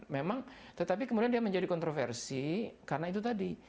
memang tetapi kemudian dia menjadi kontroversi karena itu tadi